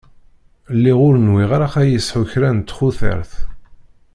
Lliɣ ur nwiɣ ara ad yesεu kra n txutert.